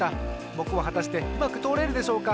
ぼくははたしてうまくとおれるでしょうか。